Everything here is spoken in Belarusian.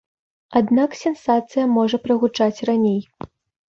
Аднак сенсацыя можа прагучаць раней.